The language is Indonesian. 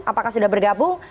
apakah sudah bergabung